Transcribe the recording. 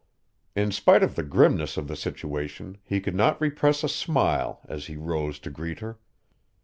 In spite of the grimness of the situation he could not repress a smile as he rose to greet her.